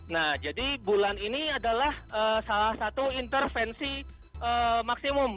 nah jadi bulan ini adalah salah satu intervensi maksimum